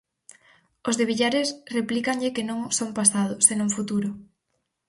Os de Villares replícanlle que non son pasado, senón futuro.